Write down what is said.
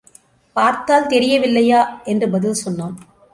பார்த்தால் தெரியவில்லையா? என்று பதில் சொன்னான்.